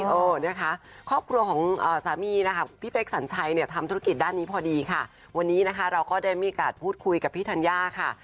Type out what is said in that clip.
เออนะคะครอบครัวของสามีนะคะพี่เป๊กสัญชัยเนี่ยทำธุรกิจด้านนี้พอดีค่ะวันนี้นะคะเราก็ได้มีโอกาสพูดคุยกับพี่ธัญญาค่ะ